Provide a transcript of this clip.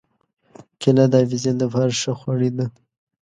کېله د حافظې له پاره ښه خواړه ده.